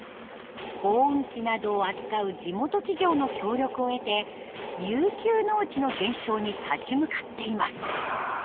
耕うん機などを扱う地元企業の協力を得て遊休農地の減少に立ち向かっています。